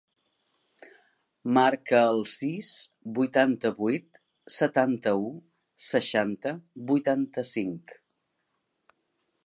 Marca el sis, vuitanta-vuit, setanta-u, seixanta, vuitanta-cinc.